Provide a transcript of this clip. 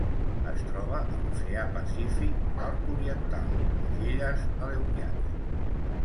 Es troba a l'Oceà Pacífic nord-oriental: les Illes Aleutianes.